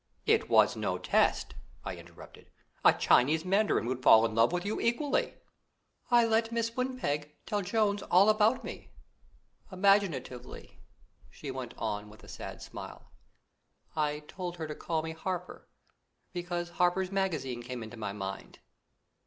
"It was no test," I interrupted. "A Chinese Mandarin would fall in love with you equally." "I let Mrs. Windpeg tell Jones all about me imaginatively," she went on with a sad smile; "I told her to call me Harper, because Harper's Magazine came into my mind.